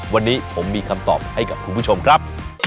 วันนี้ผมมีคำตอบให้กับคุณผู้ชมครับ